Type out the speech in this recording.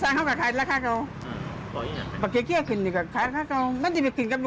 ถ้าปรับเราก็ไม่ได้เนอะ